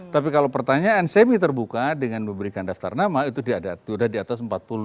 tapi kalau pertanyaan semi terbuka dengan memberikan daftar nama itu sudah di atas empat puluh